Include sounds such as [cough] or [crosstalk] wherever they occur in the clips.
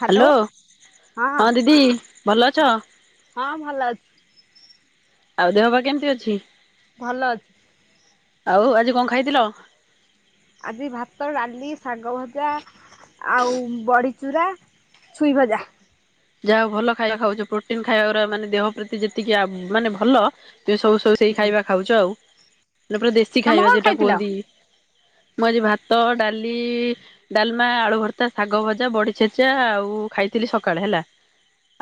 Hello hello ହଁ ଦିଦି ଭଲ ଅଛ? ହଁ ଭଲ ଅଛି। ଆଉ ଦେହପା କେମିତି ଅଛି? ଭଲ ଅଛି। ଆଉ ଆଜି କଣ ଖାଇଥିଲ? ଆଜି ଭାତ, ଡ଼ାଲି, ଶାଗ ଭଜା ଆଉ ବଢିଚୂୁରା। ଛୁଇଁ ଭଜା। ଯାହାଉ ଭଲ ଖାଇବା ଖାଉଚ ପ୍ରୋଟିନ ଖାଇବାର ମାନେ ଦେହ ପ୍ରତି ଯେତିକି ଆବ୍ ମାନେ ଭଲ ଯେ ସବୁ ସବୁ ସେଇ ହୁଁ। ଖାଇବା ଖାଉଛ ଆଉ ମାନେ ପୁରା ଦେଶୀ ତମେ ଖାଇବା କଣ ଯଉଟା ଖାଇଥିଲ? କୁହନ୍ତି। ମୁଁ ଆଜି ଭାତ, ଡ଼ାଲି ଡ଼ାଲେମା ଆଳୁ ଭର୍ତ୍ତା, ଶାଗ ଭଜା, ବଢି ଛେଚା ଆଉ ଖାଇଥିଲି ସକାଳେ ହେଲା।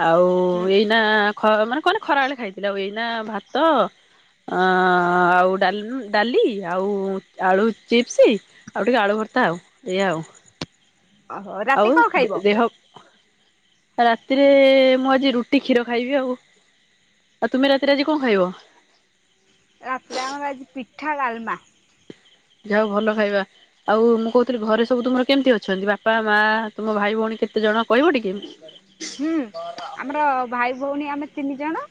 ଆଉ ହୁଁ। ଏଇନା ଖ ମାନେ କଣ ଖରା ବେଳେ ଖାଇଥିଲ ଆଉ ଏଇନା ଭାତ ଆ ଆଉ ଡା ଡ଼ାଲି ଆଉ ଆଳୁ ଚିପ୍ସ ଆଉ ଟିକେ ଆଳୁ ଭର୍ତ୍ତା ଆଉ ଏଇଆ ଆଉ। ଓହୋ ରାତି ଆଉ କଣ ଖାଇବ? ଦେହ ରାତିରେ ମୁଁ ଆଜି ରୁଟି କ୍ଷୀର ଖାଇବି ଆଉ ଆଉ ତୁମେ ରାତିରେ ଆଜି କଣ ଖାଇବ? ରାତିରେ ଆମର ଆଜି ପିଠା ଡ଼ାଲମା। ଯାହା ହଉ ଭଲ ଖାଇବା। ଆଉ ମୁଁ କହୁଥିଲି ଘରେ ସବୁ ତୁମର କେମିତି ଅଛନ୍ତି ବାପା, ମା ତୁମ ଭାଇ ଭଉଣୀ କେତେ ଜଣ କହିବ ଟିକେ? ହୁଁ ଆମର ଭାଇ ଭଉଣୀ ଆମେ ତିନି ଜଣ।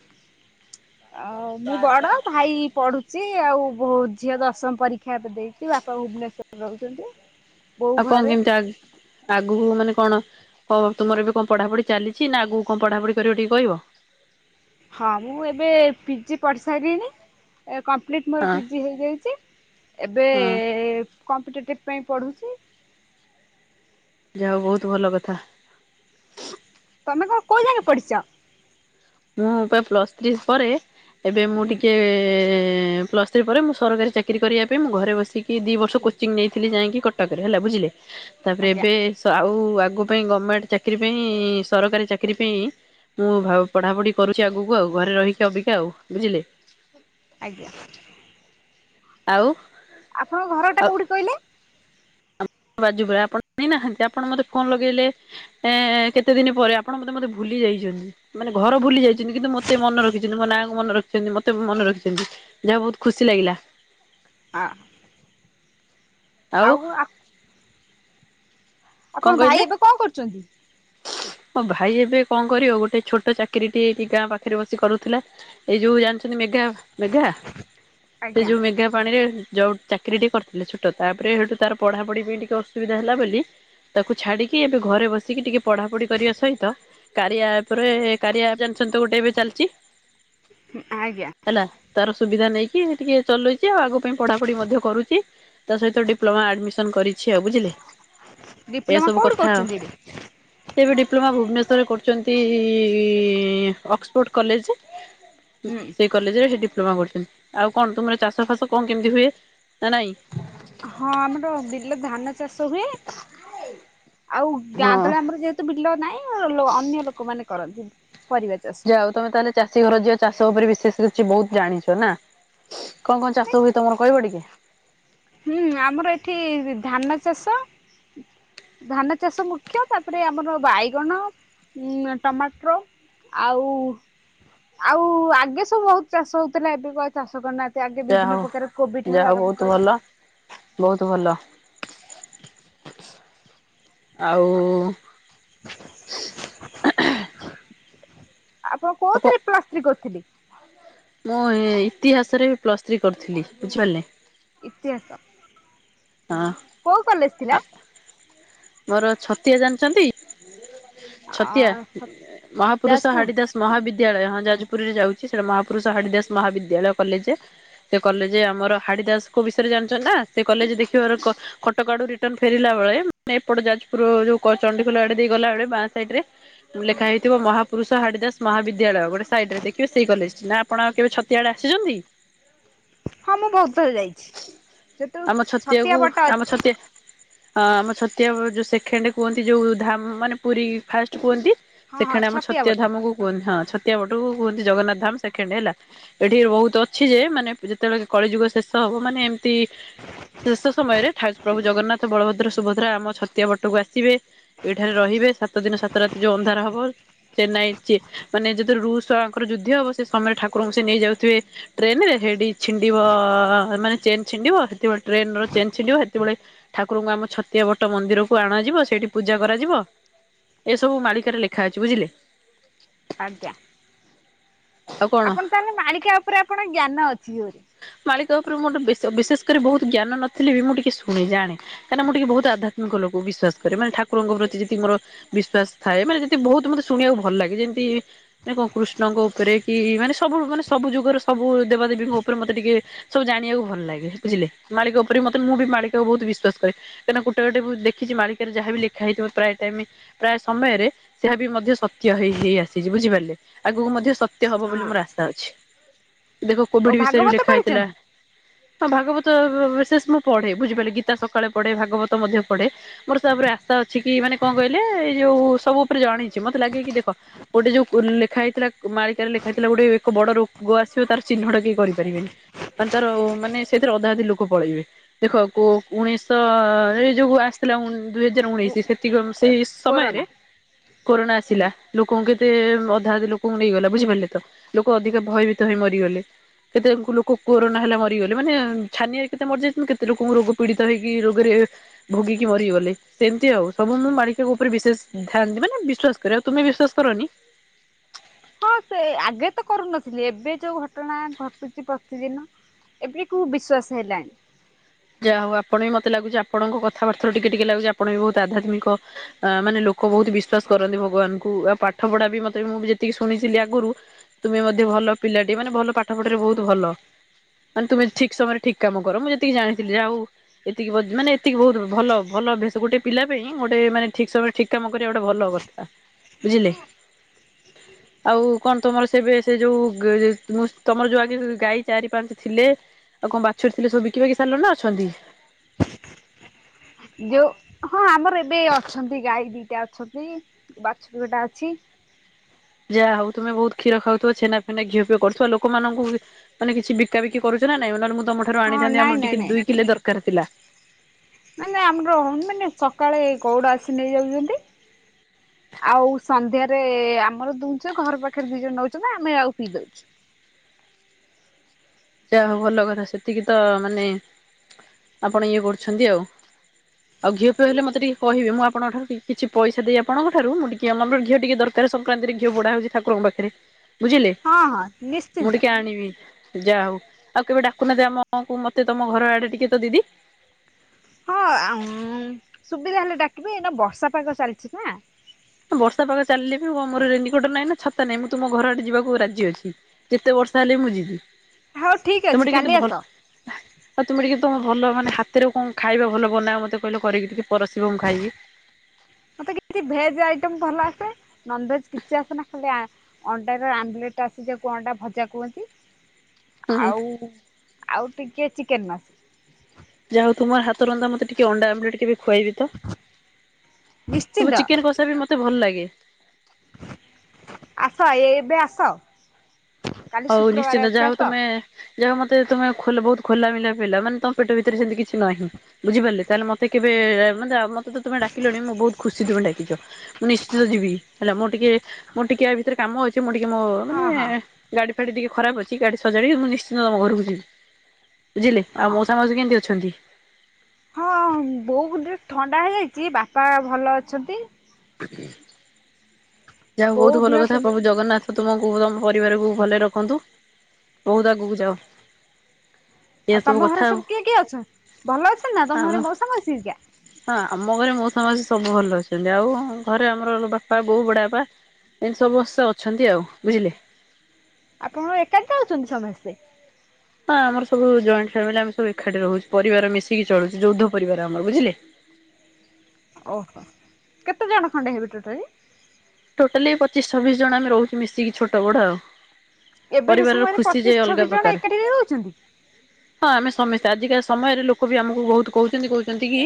ଆଉ ମୁଁ ବଡ଼ ଭାଇ ପଢୁ ସି ଆଉ ଝିଅ ଦଶମ ପରୀକ୍ଷା ଏବେ ଦେଇଚି ବାପା ଭୁବନେଶ୍ଵରରେ ରହୁଚନ୍ତି। ଆଉ କନ୍ କେମିତି ଆଗ୍ ଆଗକୁ ମାନେ କଣ କ ତୁମର ଏବେ କଣ ପଢାପଢି ଚାଲିଚି ନା ଆଗକୁ କଣ ପଢାପଢି କରିବ ଟିକେ କହିବ? ହଁ ମୁଁ ଏବେ ପିଜି ପଢ଼ିସାଇଲିିନି। ଏବେ କମ୍ପ୍ଲିଟ୍ ମୋର ହଁ ପିଜି ହେଇଯାଇଛି ଏବେ। ହଁ କମ୍ପିଟେଟିଭ୍ ପାଇଁ ପଢ଼ୁଛି। ଯାହା ହଉ ବହୁତ ଭଲ କଥା। ତମେ କଁ କୋଉ ଜାଙ୍କେ ପଢିଚ। ମୁଁ ବା ପ୍ଲସ ଥ୍ରି ପରେ ଏବେ ମୁଁ ହୁଁ ଟିକେ ପ୍ଲସ ଥ୍ରି ପରେ ମୁଁ ସରକାରୀ ଚାକିରି କରିବା ପାଇଁ ମୁଁ ଘରେ ବସିକି ଦି ବର୍ଷ କୋଚିଂ ନେଇଥିଲି ଯାଇଁକି କଟକ ରେ ହେଲା ବୁଝିଲେ। ତା ପରେ ଆଜ୍ଞା ଏବେ। ଆଉ ଆଗ ପାଇଁ ଗମେଣ୍ଟ ଚାକିରି ପାଇଁ ସରକାରୀ ଚାକିରି ପାଇଁ ମୁଁ ଭା ପଢା ପଢି କରୁଛି ଆଗକୁ ଆଉ ଘରେ ରହିକି ଅବିକା ଆଉ ବୁଝିଲେ। ଆଜ୍ଞା। ଆଉ। ଆପଣଙ୍କ ଘରଟା କୋଉଠି କହିଲେ। ବାଜୁପୁର ଆପଣ ଜାଣିନାହାନ୍ତି ଆପଣ ମତେ ଫୋନ୍ ଲଗେଇଲେ। ଏଁ କେତେ ଦିନ ପରେ ଆପଣ ବୋଧେ ମତେ ଭୁଲି ଯାଇଛନ୍ତି। ମାନେ ଘର ଭୁଲି ଯାଇଛନ୍ତି କିନ୍ତୁ ମୋତେ ମନେ ରଖିଛନ୍ତି ମୋ ନାଁ କୁ ମନେ ରଖିଛନ୍ତି ମୋତେ ମନେ ରଖିଛନ୍ତି। ଯା ହଉ ବହୁତ ଖୁସି ଲାଗିଲା। ଆ। ଆଉ ଆପ୍ କଣ ଆପଣଙ୍କ ଭାଇ କହିଲେ? ଏବେ କଣ କରୁଛନ୍ତି। ମୋ ଭାଇ ଏବେ କଁ କରିବ ଗୋଟେ ଛୋଟ ଚାକିରି ଟିଏ ଏଠି ଗାଁ ପାଖରେ ବସି କରୁଥିଲା। ଏଇ ଯୋଉ ଜାଣିଛନ୍ତି ମେଘା ମେଘା ସେ ଆଜ୍ଞା। ଯୋଉ ମେଘା ପାଣିରେ ଯାଉ ଚାକିରି ଟେ କରିଥିଲେ ଛୋଟ ତାପରେ ହେଠୁ ତାର ପଢାପଢି ପାଇଁ ଟିକେ ଅସୁବିଧା ହେଲା ବୋଲି। ତାକୁ ଛାଡିକି ଏବେ ଘରେ ବସିକି ଟିକେ ପଢା ପଢି କରିବା ସହିତ। କାରିଆ ଆପ୍ ରେ କାରିଆ ଆପ୍ ଜାଣିଛନ୍ତି ତ ଗୋଟେ ଏବେ ଚାଲିଛି। ହୁଁ ଆଜ୍ଞା। ହେଲା ତାର ସୁବିଧା ନେଇକି ଟିକେ ଚଲେଇଛି ଆଉ ଆଗ ପାଇଁ ପଢାପଢି ମଧ୍ୟ କରୁଚି। ତା ସହିତ ଡିପ୍ଲୋମା ଆଡ଼ମିସନ୍ କରିଛି ଆଉ ବୁଝିଲେ। [inaudible] ଏଇଆ ସବୁ କୋଉଠି କଥା। କରୁଛନ୍ତି ଏବେ? ସେ ଏବେ ଡିପ୍ଲୋମା ଭୁବନେଶ୍ୱରରେ କରୁଛନ୍ତି ଅକ୍ସଫୋର୍ଡ଼ କଲେଜ। [inaudible] ହୁଁ ସେ। କଲେଜରେ ସେ ଡିପ୍ଲୋମା କରୁଛନ୍ତି ଆଉ କଣ ତୁମର ଚାଷ ଫାସ କଣ କେମିତି ହୁଏ ନା ନାଇଁ। ହଁ ଆମର ବିଲରେ ଧାନ ଚାଷ ହୁଏ ଆଉ ଗାଁ ହଁ ତଳେ ଆମର ଯେହେ ତୁ ବିଲ ନାଇଁ ଲୋ ଅନ୍ୟ ଲୋକମାନେ କରନ୍ତି ପରିବା ଚାଷ। ଆଉ ତମେ ତାହେଲେ ଚାଷୀ ଘର ଝିଅ ଚାଷ ଉପରେ ବିଶେଷ କିଛି ବହୁତ ଜାଣିଛ ନା। କଁ କଁ ଚାଷ ହୁଏ ତମର କହିବ ଟିକେ। ହୁଁ ଆମର ଏଠି ଧାନ ଚାଷ। ଧାନ ଚାଷ ମୁଖ୍ୟ ତାପରେ ଆମର ବାଇଗଣ ଉଁ ଟମାଟ୍ରୋ। ଆଉ ଆଉ ଆଗେ ସବୁ ବହୁତ ଚାଷ ହଉଥିଲା ଏବେ କୁ ଆଉ ଚାଷ କରୁନାହାନ୍ତି। ସେ ଆଗେ ଯାହା ବିଭିନ୍ନ ହଉ। ପ୍ରକାର କୋବିଠାରୁ ଆରମ୍ଭ କରି। ବହୁତ୍ ଭଲ ଆଉ। ଆପଣ ଆଉ କଣ କୋଉଥିରେ ପ୍ଲସ୍ ଥ୍ରି କରୁଥିଲେ। ମୁଁ ଏ ଇତିହାସରେ ପ୍ଲସ୍ ଥ୍ରୀ କରିଥିଲି ବୁଝିପାରିଲେ। ଇତିହାସ ହଁ। କୋଉ କଲେଜ ଥିଲା? ମୋର ଛତିଆ ଜାଣିଛନ୍ତି। ଛତିଆ ଅ ମହାପୁରୁଷ ଯାଜପୁର ହାଡିଦାସ ମହାବିଦ୍ୟାଳୟ ହଁ ଯାଜପୁରରେ ଯାଉ ଛି ସେ ମହାପୁରୁଷ ହାଡ଼ିଦାସ ମହାବିଦ୍ୟାଳୟ କଲେଜ। ସେ କଲେଜ ଆମର ହାଡିଦାସଙ୍କ ବିଷୟରେ ଜାଣିଛନ୍ତି ନା, ସେ କଲେଜ ଦେଖିବାର କ କଟକ ଆଡୁ ରିଟର୍ନ ଫେରିଲା ବେଳେ ମାନେ ଏପଟ ଯାଜପୁର ଯୋଉ ଚଣ୍ଡିଖୋଲ ଆଡେ ଦେଇ ଗଲା ବେଳେ ବାଁ ସାଇଟରେ ଲେଖାହେଇଥିବ ମହା ପୁରୁଷ ହାଡ଼ିଦାସ ମହାବିଦ୍ୟାଳୟ। ଗୋଟେ ସାଇଡରେ ଦେଖିବେ ସେଇ କଲେଜ ଟି ନା, ଆପଣ ଆଉ କେବେ ଛତିଆ ଆଡ଼େ ଆସିଛନ୍ତି? ହଁ ମୁଁ ବହୁତ ଥର ଯାଇଛି। ସେପେଟ ଆମ ଛତିଆ ବଟ ଅଛି। ହଁ ଆମ ଛତିଆ ଯୋଉ ସେକେଣ୍ଡ କୁହନ୍ତି ଯୋଉ ଧାମ ମାନେ ପୁରୀ ଫାଷ୍ଟ କୁହନ୍ତି। ହଁ ହଁ ସେକେଣ୍ଡ ଆମ ଛତିଆ ବଟ ଧାମ କୁ କୁହନ୍ତି। ହଁ ଛତିଆ ବଟକୁ କୁହନ୍ତି ଜଗନ୍ନାଥ ଧାମ ସେକେଣ୍ଡ ହେଲା। ଏଠି ବହୁତ ଅଛି ଯେ, ମାନେ ଯେତେବେଳେ କଳି ଯୁଗ ଶେଷ ହବ ମାନେ ଏମିତି ଶେଷ ସମୟରେ ଠା ପ୍ରଭୁ ଜଗନ୍ନାଥ ବଳଭଦ୍ର ସୁଭଦ୍ରା ଆମ ଛତିଆ ବଟକୁ ଆସିବେ। ଏଇଠାରେ ରହିବେ, ସାତ ଦିନ ସାତ ରାତି ଯୋଉ ଅନ୍ଧାର ହେବ। ଚେନ୍ନାଇ ମାନେ ଯେତେବେଳେ ରୁଷର ଆଙ୍କର ଯୁଦ୍ଧ ହବ, ସେ ସମୟରେ ଠାକୁରଙ୍କୁ ସେ ନେଇ ଯାଉଥିବେ। ଟ୍ରେନରେ ସେଠି ଛିଣ୍ଡିବ ମାନେ ଚେନ୍ ଛିଣ୍ଡିବ ସେତବେଳେ ଟ୍ରେନ ର ଚେନ୍ ଛିଣ୍ଡିବ ସେତେବେଳେ ଠାକୁରଙ୍କୁ ଆମ ଛତିଆ ବଟ ମନ୍ଦିରକୁ ଅଣାଯିବ। ସେଇଠି ପୂଜା କରାଯିବ। ଏସବୁ ମାଳିକାରେ ଲେଖା ଅଛି ବୁଝିଲେ ଆଜ୍ଞା। ।। ଆପଣ ତାହେଲେ ମାଳିକା ଉପରେ ଆପଣ ଜ୍ଞାନ ଅଛି ଜୋରେ ମାଳିକ ଉପରେ ମୋର ବେଶ ବିଶେଷ କରି ବହୁତ ଜ୍ଞାନ ନଥିଲେ ବି ମୁଁ ଟିକେ ଶୁଣି ଜାଣେ। କାହିଁକନା ମୁଁ ଟିକେ ବହୁତ ଆଧ୍ୟାତ୍ମିକ ଲୋକ ବିଶ୍ୱାସ କରେ ମାନେ ଥାକୁରଙ୍କ ପ୍ରତିଯେତେ ମୋର ବିଶ୍ଵାସ ଥାଏ ମାନେ ଯଦି ବହୁତ ମତେ ଶୁଣିବାକୁ ଭଲ ଲାଗେ ଯେମତି ନା କଣ କୃଷ୍ଣଙ୍କ ଉପରେ କି ମାନେ ସବୁ ମାନେ ସବୁ ଯୁଗରେ ସବୁ ଦେବାଦେବୀଙ୍କ ଉପରେ ମତେ ଟିକେ ସବୁ ଜାଣିବାକୁ ଭଲ ଲାଗେ ବୁଝିଲେ ମାଳିକା ଉପରେ ମତେ ମୁଁ ବି ମାଳିକାକୁ ବହୁତ ବିଶ୍ୱାସ କରେ। କାହିଁକନା ଗୋଟେ ଗୋଟେ ଦେଖିଛି ମାଳିକାରେ ଯାହା ବି ଲେଖାହେଇଥିବ ପ୍ରାୟ ଟାଇମ୍। ପ୍ରାୟ ସମୟରେ ସେହା ବି ମଧ୍ୟ ସତ୍ୟ ହେଇ ହେଇ ଆସିଛି ବୁଝିପାରିଲେ ଆଗକୁ ମଧ୍ୟ ସତ୍। ଏମିତି ହବ ବୋଲି ହଁ ମୋର ଆଶା ଅଛି ଦେଖ ଓ କୋଭିଡ ବିଷୟରେ ବି ଭାଗବତ ଲେଖା ହେଇଥିଲା। ପଢିଛନ୍ତି? ହଁ ଭାଗବତ ବିଶେଷ ମୁଁ ପଢେ ବୁଝିପାରିଲେ ଗୀତା ସକାଳେ ପଢେ ଭାଗବତ ମଧ୍ୟ ପଢେ। ମୋର ତାପରେ ଆଶା ଅଛି କି ମାନେ କଣ କହିଲେ ଏଇ ଯୋଉ ସବୁ ଉପରେ ଜାଣିଛି ମତେ ଲାଗେ କିି ଦେଖ। ଗୋଟେ ଯୋଉ ଲେଖା ହେଇଥିଲା ମାଳିକାରେ ଲେଖା ହେଇଥିଲା ଗୋଟେ ଏକ ବଡ ରୋଗ ଆସିବ ତାର ଚିହ୍ନଟ କିଏ କରିପାରିବେନି। ମାନେ ତାର ମାନେ ସେଇଥିରେ ଅଧା ଅଧି ଲୋକ ପଳେଇବେ। ଦେଖ କୋଉ ଉଣେଇଶହରେ ଯୋଉ ଆସିଥିଲା ଦୁଇ ହଜାର ଉଣେଇଶ ସେତିକି [unintelligible] ସେ କୋରୋନା ସମୟରେ କୋରୋନା ଆସିଲା ଲୋକଙ୍କୁ କେତେ ଅଧା ଅଧେ ଲୋକଙ୍କୁ ନେଇଗଲା ବୁଝିପାରିଲେ ତ ଲୋକ ଅଧିକ ଭୟଭୀତ ହୋଇ ମରିଗଲେ। କେତେ ଲୋକ କୋରୋନା ହେଲା ମରିଗଲେ ମାନେ ଛାନିଆ କେତେ ମରିଯାଇଛନ୍ତି କେତେ ଲୋକଙ୍କୁ ରୋଗ ପୀଡିତ ହେଇକି ରୋଗରେ। ଭୋଗିକି ମରିଗଲେ ସେମତି ଆଉ ସବୁ ମୁଁ ମାଳି ଉପରେ ବିଶେଷ ଧ୍ୟାନ ଥାନ୍ତି ମାନେ ବିଶ୍ଵାସ କରେ ଆଉ ତମେ ବିଶ୍ୱାସ କରନି। ହଁ ସେ ଆଗେ ତ କରୁନଥିଲି ଏବେ ଯୋଉ ଘଟଣା ଘଟୁଛି ପ୍ରତିଦିନ। ଏବେ କୁ ବିଶ୍ଵାସ ହେଲାଣି। ଯାହା ହଉ ଆପଣ ବି ମତେ ଲାଗୁଛି ଆପଣଙ୍କ କଥାବାର୍ତ୍ତା ରୁ ଟିକେ ଟିକେ ଲାଗୁଛି ଆପଣ ବି ବହୁତ ଆଧ୍ୟାତ୍ମିକ। ଆ ମାନେ ଲୋକ ବହୁତ ବିଶ୍ଵାସ କରନ୍ତି ଭଗବାନଙ୍କୁ ଆଉ ପାଠ ପଢା ବି ମତେ ବି ମୁଁ ଯେତିକି ଶୁଣିଥିଲି ଆଗରୁ। ତୁମେ ମଧ୍ୟ ଭଲ ପିଲାଟି ମାନେ ଭଲ ପାଠ ଫାଟ ବହୁତ ଭଲ। ମାନେ ତୁମେ ଠିକ ସମୟରେ ଠିକ କାମ କର ମୁଁ ଯେତିକି ଜାଣିଥିଲି ଯାହା ହଉ। ଏତିକି ମାନେ ଏତିକି ବହୁତ ଭଲ ଭଲ ଅଭ୍ୟାସ ଗୋଟେ ପିଲା ପାଇଁ ଗୋଟେ ମାନେ ଠିକ ସମୟରେ ଠିକ। ଠିକ୍ କାମ କରିବା ଗୋଟେ ଭଲ କଥା ବୁଝିଲେ? [inaudible] ଆଉ କଣ ତମର ସେବେ ସେ ଯୋଉ ଗେ ମୁଁ ତମର ଯୋଉ ଆଗ ଗାଈ ଚାରି ପାଞ୍ଚ ଥିଲେ? ଆଉ କଣ ବାଛୁରୀ ଥିଲେ ସବୁ ବିକିିବାକି ସାରିଲ ନା ଅଛନ୍ତି? ଯୋଉ ହଁ ଆମର ଏବେ ଅଛନ୍ତି ଗାଈ ଦିଟା ଅଛନ୍ତି ବାଛୁରୀ ଟା ଅଛି।। ଯାହା ହଉ ତମେ ବହୁତ କ୍ଷୀର ଖାଉଥିବ ଛେନା ଫେନା ଘିଅ ପିଅ କରୁଥିବ ଲୋକମାନଙ୍କୁ ମାନେ କିଛି ବିକା ବିକି କରୁଚ ନାଇ ନହେଲେ ମୁଁ ତମ ଠାରୁ ହଁ ଆଣିଥାନ୍ତି ନାଇଁ ଆମର ନାଇଁ ଟିକେ ନାଇଁ ଦୁଇ କିଲୋ ଦରକାର ଥିଲା? ମାନେ ଆମର ମାନେ ସକାଳେ ଗଉଡ଼ ଆସି ନେଇଯାଉଚନ୍ତି। ଆଉ ସନ୍ଧ୍ୟାରେ ଆମର ଦୁଛ ଘର ପାଖରେ ଦି ଜଣ ନଉଚନ୍ତି ଆମେ ଆଉ ପିଇ ଦଉଚୁ। ଯାହା ହଉ ଭଲ କଥା ସେତିକି ତ ମାନେ ଆପଣ ଇଏ କରୁଛନ୍ତି ଆଉ। ଆଉ ଘିଅ ପିଅ ହେଲେ ମତେ ଟେକେ କହିବେ ମୁ ଆପଣଙ୍କ ଠାରୁ କିଛି ପଇସ ଦେଇ ଆପଣଙ୍କ ଠାରୁ ମୁଁ ଟିକେ ଆମର ଘିଅ ଟିକେ ଦର ତାର ସଂକ୍ରାନ୍ତିରେ ଘିଅ ପୋଡ଼ା ହଉଚି ଠାକୁରଙ୍କ ପାଖରେ ବୁଝିଲେ ହଁ ହଁ ମୁଁ ନିଶ୍ଚିନ୍ତ ଟିକେ ଆଣିବି? ଯାହା ହଉ ଆଉ କେବେ ଡାକୁ ନାହାନ୍ତି ଆମକୁ ମତେ ତମ ଘର ଆଡେ ଟିକେ ତ ଦିଦି? ହଁ ଆଁଉଁ ସୁବିଧା ହେଲେ ଡାକିବି ନା ବର୍ଷା ପାଗ ଚାଲିଚି ନା। ବର୍ଷା ପାଗ ଚାଲିଲେ ବି ମୋର ରେନି କୋଟ ନାହିଁ ନା ଛତା ନାହିଁ ମୁଁ ତୁମ ଘର ଆଡେ ଯିବାକୁ ରାଜି ଅଛି। ଯେତେ ବର୍ଷା ହେଲେ ମୁଁ ଯିବି ହଉ ଠିକ ଅଛି ତମେ ଟିକେ କାଲି କେତି ଆସ ଭଲ [inaudible] ଆଉ ତୁମେ ଟିକେ ତମ ଭଲ ମାନେ ହାତରେ କଣ ଖାଇବା ଭଲ ବନାଅ ମତେ କହିଲ କରିକି ଟିକେ ପରସିବ ମୁଁ ଖାଇବି? ମତେ କିତି ଭେଜ୍ ଆଇଟମ୍ ଭଲ ଆସେ ନନଭେଜ୍ କିଛି ଆସେନା ଖାଲି ଆଁ ଅଣ୍ଡାର ଆମ୍ବଲେଟ୍ ଆସି ଯାକୁ ଅଣ୍ଡା ଭଜା କୁହନ୍ତି। ହୁଁ ଆଉ ଆଉ ଟିକେ ଚିକେନ ମାସ ଯାହାହୋଉ ତମ ହାତ ରନ୍ଧା ମତେ ଟିକେ ଅଣ୍ଡା ଆମଲେଟ କେବେ ଖୁଆଇବେ? ତ ନିଶ୍ଚିନ୍ତ ତୁମ ଚିକେନ କଷା ବି ମତେ ଭଲ ଲାଗେ। ଆସ ଏ ଏବେ ଆସ। କାଲି ହଉ ଶୁକ୍ରବାର ନିଶ୍ଚିନ୍ତ ଅଛି ଯାହା ହଉ ଆସ ତମେ ଯାହା ହୋଉ ମତେ ତମେ ବହୁତ ଖୋଲା ମିଲା ପିଲା ମାନେ ତମ ପେଟ ଭିତରେ ସେମତି କିଛି ନାହିଁ। ବୁଝିପାରିଲେ ତାହେଲେ ମତେ କେବେ ମାନେ ମତେ ତ ତୁମେ ଡାକିଲଣି ମୁଁ ବହୁତ ଖୁସି ତମେ ଡାକିଚ। ମୁଁ ନିଶ୍ଚିତ ଯିବି ହେଲା ମୁଁ ଟିକେ ମୁଁ ଟିକେ ଆ ଭିତରେ କାମ ଅଚି ମୁଁ ଟିକେ ମୋ ମାନେ ହଁ ହଁ ଗାଡ଼ି ଫାଡ଼ି ଟିକେ ଖରାପ ଅଛି ଗଡ଼ି ସଜାଡି ମୁଁ ନିଶିନ୍ତ ତମ ଘରକୁ ଯିବି। ବୁଝିଲେ ଆଉ ହଁ ମଉସା ମାଉସୀ କେମତି ଅଛନ୍ତି? ହଁ ବୋଉ କୁ ଟି ଥଣ୍ଡା ହେଇଯାଇଚି ବାପା ଭଲ ଅଛନ୍ତି। ଆଉ ଯାହା ହଉ ବୋଉ ବହୁତ ଭଲ ଦିହ କଥା ସେମିତି ପ୍ରଭୁ ଜଗନ୍ନାଥ ତୁମକୁ ତୁମ ପରିବାରକୁ ଭଲରେ ରଖନ୍ତୁ ବହୁତ ଆଗକୁ ଯାଅ। ଏଇଆ ଆଉ ତମ କଥା ଘରେ ଆଉ ସବୁ କିଏ କିଏ ଅଛ ଭଲ ଅଛନ୍ତି ନା ତମ ଆମ ଘରେ ମଉସା ମାଉସୀ ହେରିକା? ହଁ ଆମ ଘରେ ମଉସା ମାଉସୀ ସବୁ ଭଲ ଅଛନ୍ତି ଆଉ ଘରେ ଆମର ବାପା ବୋଉ ବଡ ବାପା। ଏମତି ସମସ୍ତେ ଅଛନ୍ତି ଆଉ ବୁଝିଲେ। ଆପଣ ଏକାଟି ଖାଉଛନ୍ତି ସମସ୍ତେ? ହଁ ଆମର ସବୁ ଜଏଣ୍ଟ ଫ୍ୟାମିଲ ଆମେ ସବୁ ଏକାଠି ରହୁ ପରିବାର ମିଶିକି ଚଳୁଚୁ ଯୌଦ୍ଧ ପରିବାର ଆମର ବୁଝିଲେ। ଓହୋ କେତେଜଣ ଖଣ୍ଡେ ହେବେ ଟୋଟାଲି? ଟୋଟାଲି ପଚିଶ ଛବିଶ ଜଣ ଆମେ ରହୁଚୁ ମିଶିକି ଛୋଟ ବଡ ଆଉ। ଏବେବି ପରିବାରର ସମୟରେ ଖୁସି ଯେ ପଚିଶ ଅଲଗା ଛବିଶ ଜଣ ପ୍ରକାର ଏକାଠି ରହୁଛନ୍ତି। ହଁ ଆମେ ସମସ୍ତେ ଆଜିକା ସମୟରେ ଲୋକ ବି ଆମକୁ ବହୁତ କହୁଚନ୍ତି, କହୁଛନ୍ତି କି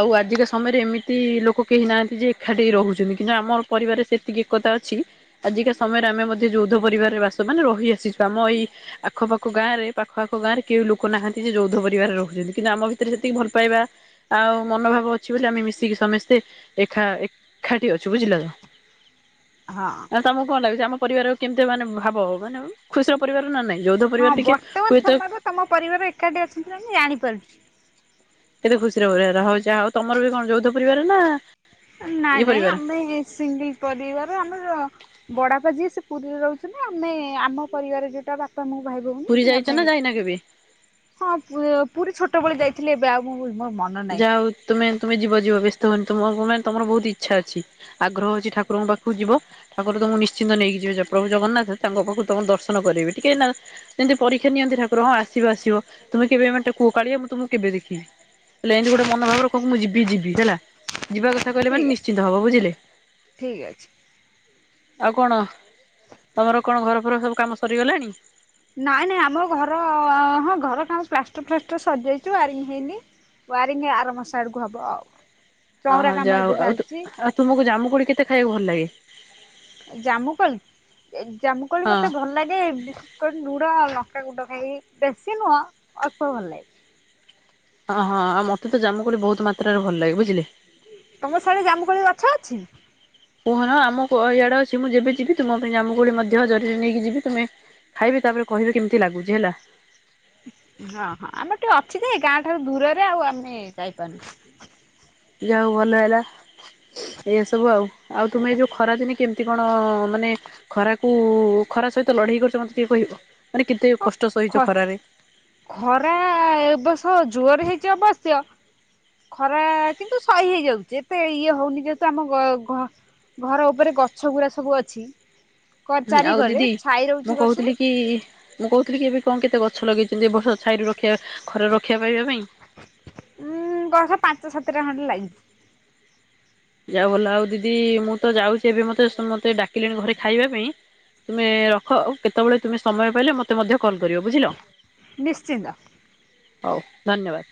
ଆଉ ଆଜିକା ସମୟରେ ଏମିତି ଲୋକ କେହି ନାହାନ୍ତି ଯେ ଏକାଠି ରହୁଛନ୍ତି କିନ୍ତୁ ଆମ ପରିବାରେ ସେତିକି ଏକତା ଅଛି। ଆଜିକା ସମୟରେ ଆମେ ମଧ୍ୟ ଯୌଧ ପରିବାରରେ ବାସ ମାନେ ରହି ଆସିଛୁ ଆମ ଏଇ ଆଖପାଖ ଗାଁରେ ପାଖ ଆଖ ଗାଁ ରେ କେଉ ଲୋକ ନାହାନ୍ତି ଯେ ଯୌଦ୍ଧ ପରିବାରରେ ରହୁଛନ୍ତି କିନ୍ତୁ ଆମ ଭିତରେ ସେତିକି ଭଲ ପାଇବା ଆଉ ମନୋଭାବ ଅଛି ବୋଲି ଆମେ ମିଶିକି ସମସ୍ତେ ଏଖା ଏଖାଠି ଅଛୁ ବୁଝିଲ ନା। ହଁ। ଆଉ ତମକୁ କଣ ଲାଗୁଚି ଆମ ପରିବାର କେମିତିଆ ମାନେ ଭାବ ମାନେ ଖୁସିର ପରିବାର ନା ନାଇଁ ଯୌଧ ହଁ ପରିବାର ଟିକେ ବର୍ତ୍ତମାନ ହୁଏତ ସମୟରେ ତମ ପରିବାର ଏକାଠି ଅଛନ୍ତି ମାନେ ଜାଣିପାରୁଚି। କେତେ ଖୁସିର [unintelligible] ହଉ ଯାହା ହଉ ତମର ବି କଣ ଯୌଧ ପରିବାର ନା ନାଇ ଇଏ ନାଇଁ ପରିବାର? ଆମ ସିଙ୍ଗି ପରିବାର ଆମର ବଡାଆପା ଯିଏ ସେ ପୁରୀରେ ରହୁଛନ୍ତି, ଆମେ ଆମ ପରିବାର ଯୋଉଟା ବା ପା ମୁଁ ଭାଇ ପୁରୀ ଭଉଣୀ ଯାଇଛ ଆମେ ନା ଯାଇନା କେବେ? ହଁ ପୁ ପୁରୀ ଛୋଟବେଳେ ଯାଇଥିଲି ଏବେ ଆଉ ମୁ ମୋ ମ ଯାଉ ତୁମେ ତୁମେ ଯିବ ଯିବ ବ୍ୟସ୍ତ ହୁଅନି ତୁମ ମାନେ ତମର ବହୁତ ଇଚ୍ଛା ଅଛି। ଆଗ୍ରହ ହଉଛି ଠାକୁରଙ୍କ ପାଖକୁ ଯିବ। ଠାକୁର ତମକୁ ନିଶ୍ଚିନ୍ତ ନେଇକି ଯିବେ, ପ୍ରଭୁ ଜଗନ୍ନାଥ ତାଙ୍କ ପାଖକୁ ତମକୁ ଦର୍ଶନ କରିବେ। ଯେମିତି ପରୀକ୍ଷା ନିଅନ୍ତି ଠାକୁର ଆସିବ ଆସିବ ତୁମେ କେବେ ମେ କୁହ କାଳିଆ ମୁଁ ତମକୁ କେବେ ଦେଖିବି। ହେଲେ ଏମିତି ଗୋଟେ ମନ ଭାବର କ ମୁଁ ଯିବି ଯିବି ହେଲା। ଯିବା କଥା କହିଲେ ଠିକ୍ ମାନେ ନିଶ୍ଚିନ୍ତ ହବ ବୁଝିଲେ। ଠିକ୍ ଅଛି ଆଉ କଣ, ତମର କଣ ଘରଫର ସବୁ କାମ ସରିଗଲାଣି? ନାଇଁ ନାଇଁ ଆମ ଘର ହଁ ଘର କାମ ପ୍ଲାଷ୍ଟର ଫ୍ଲାଷ୍ଟର ସରିଯାଇ ଚୁ ୱାରିଂ ହେଇନି ୱାରିଙ୍ଗ ଆର ମାସ ଆଡକୁ ହବ ଆଉ, ଅହ ଚଉଁରା କାମ ଯାହା ହଉ ଏବେ ଆଉ ଚାଲିଛି। ଆଉ ତୁମକୁ ଜାମୁକକୋଳି କେତେ ଖାଇବାକୁ ଭଲ ଲାଗେ? ଜାମୁକୋଳି, ଜାମୁକୋଳି ହଁ ମତେ ଭଲ ଲାଗେ ଲୁଣ, ଆ ଲଙ୍କା ଗୁଣ୍ଡ ଖାଇ ବେଶୀ ନୁହଁ ଅଳ୍ପ ଭଲ ଲାଗେ। ହଁ ହଁ ଆଉ ମତେ ତ ଜାମୁକୋଳି ବହୁତ ମାତ୍ରାରେ ଭଲ ଲାଗେ, ବୁଝିଲେ। ତମ ସାଡେ ଜାମୁକୋଳି ଗଛ ଅଛି? କୁହଁ ଆମ ଇଆଡେ ଅଛି ମୁଁ ଯେବେ ଯିବି ତୁମ ପାଇଁ ଜାମୁକୋଳି ମଧ୍ୟ ଜରୀରେ ନେଇକି ଯିବି, ତୁମେ ଖାଇବେ ତାପରେ କହିବେ କେମିତି ଲାଗୁଛି ହେଲା। ହଁ ହଁ ଆମର ଟିକେ ଅଛି ଯେ, ଗାଁ ଠାରୁ ଦୂରରେ ଆଉ ଆମେ ଯାଇପାରୁନୁ। ଯାହା ହଉ ଭଲ ହେଲା ଏ ସବୁ ଆଉ, ଆଉ ତୁମେ ଏଇ ଯୋଉ ଖରା ଦିନେ କେମତି କଣ ମାନେ ଖରାକୁ ଖରା ସହିତ ଲଢେଇ କରୁଛ ମତେ ଟିକେ କହିବ? ମାନେ କେତେ ହଁ କଷ୍ଟ ଖ ସହିଚ ଖରାରେ। ଖରା ଏବସ ଜୋରେ ହେଇଛି ଅବଶ୍ୟ ଖରା କିନ୍ତୁ ସହି ହେଇଯାଉଛି ଏତେ ଇଏ ହଉନି, ଯେହେତୁ ଆମ ଗ ଘ ଘର ଉପରେ ଗଛ ଗୁୁରା ସବୁ ଅଛି। ଆଉ ଚାରିକରେ ଦିଦି ଛାଇ ରହୁଛି ମୁଁ କହୁଥିଲି ଗଛକୁ କି ମୁଁ କହୁଥିଲି କି ଏବେ କଁ କେତେ ଗଛ ଲଗେଇଛନ୍ତି ଏ ବର୍ଷ, ଛାଇରୁ ରକ୍ଷା ଖରାରୁ ରକ୍ଷା ପାଇବା ପାଇଁ। ଉଁ ଗଛ ପାଞ୍ଚ ସାତଟା ଖଣ୍ଡେ ଲାଗିଛି। ଯାଉ ବଲ ଆଉ ଦିଦି ମୁଁ ତ ଯାଉଛି ଏବେ, ମତେ ସମତେ ଡାକିଲେଣି ଘରେ ଖାଇବା ପାଇଁ। ତୁମେ ରଖ, ଆଉ କେତେବେଳେ ତୁମେ ସମୟ ପାଇଲେ ମ ତେ ମଧ୍ୟ କଲ୍ କରିବ ବୁଝିଲ, ନିଶ୍ଚିନ୍ତ। ହଉ ଧନ୍ୟବାଦ।